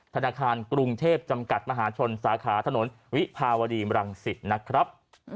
๑๙๖๓๐๖๖๕๖๖ธนาคารกรุงเทพจำกัดมหาชนสาขาถนนวิภาวดีมรังศิษย์นะครับ